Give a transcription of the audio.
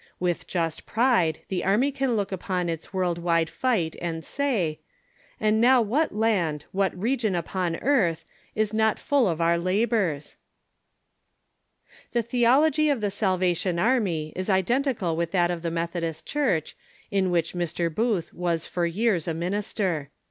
With just ])ride the Army can look upon its world wide fight and say, "And now what land, M'hat region upon earth, is not full of our la bors?"* • The theology of the Salvation Army is identical M'ith that of the Methodist Church, in which Mr. Booth was for j ears a ,^, minister.